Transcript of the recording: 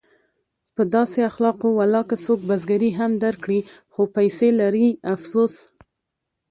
په داسې اخلاقو ولاکه څوک بزګري هم درکړي خو پیسې لري افسوس!